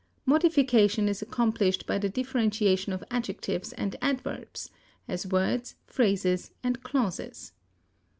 Modification is accomplished by the differentiation of adjectives and adverbs, as words, phrases, and clauses.